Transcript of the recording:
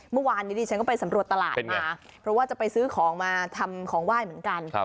เมื่อวานนี้ดิฉันก็ไปสำรวจตลาดมาเพราะว่าจะไปซื้อของมาทำของไหว้เหมือนกัน